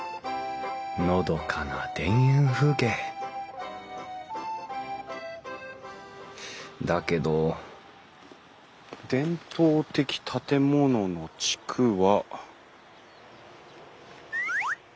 のどかな田園風景だけど伝統的建物の地区は。